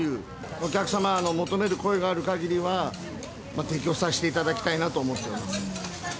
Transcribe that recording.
お客様の求める声があるかぎりは、提供させていただきたいなと思っております。